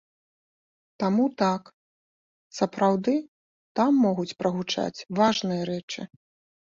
Таму так, сапраўды там могуць прагучаць важныя рэчы.